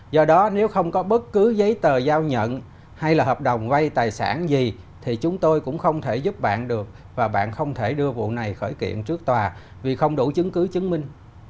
do đó nếu không có bất cứ giấy tờ giao nhận hay là hợp đồng vay tài sản gì thì chúng tôi cũng không thể giúp bạn được và bạn không thể đưa vụ này khởi kiện trước tòa vì không đủ chứng cứ chứng minh